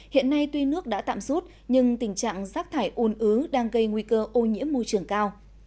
hiện nay tuy nước đã tạm rút nhưng tình trạng rác thải ôn ứ đang gây nguy cơ ô nhiễm môi trường cao